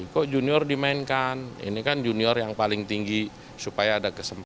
kok junior dimainkan ini kan junior yang paling tinggi supaya ada kesempatan